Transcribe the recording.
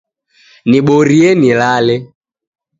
Niborie nilale